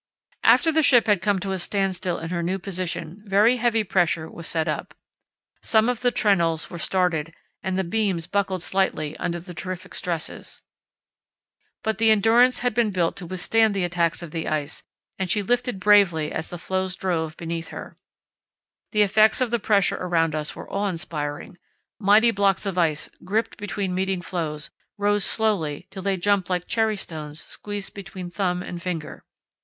After the ship had come to a standstill in her new position very heavy pressure was set up. Some of the trenails were started and beams buckled slightly under the terrific stresses. But the Endurance had been built to withstand the attacks of the ice, and she lifted bravely as the floes drove beneath her. The effects of the pressure around us were awe inspiring. Mighty blocks of ice, gripped between meeting floes, rose slowly till they jumped like cherry stones squeezed between thumb and finger.